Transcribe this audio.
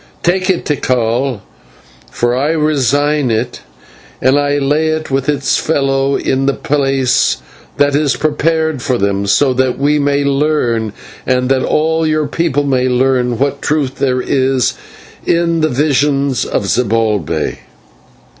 "Take it, Tikal, for I resign it, and lay it with its fellow in the place that is prepared for them, so that we may learn, and all your people may learn, what truth there is in the visions of Zibalbay."